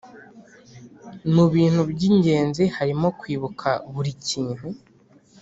Mu Ibintu byingenzi harimo kwibuka burikintu